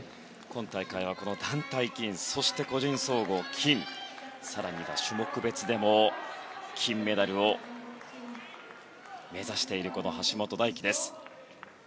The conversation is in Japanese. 今大会は団体金そして個人総合金更には種目別でも金メダルを目指している橋本大輝です。